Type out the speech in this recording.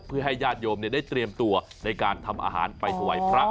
เพื่อให้ญาติโยมได้เตรียมตัวในการทำอาหารไปถวายพระ